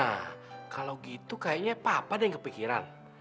nah kalau gitu kayaknya papa deh yang kepikiran